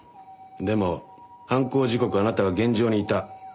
でも犯行時刻あなたは現場にいた。